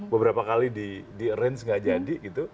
beberapa kali di arrange tidak jadi